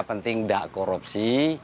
penting enggak korupsi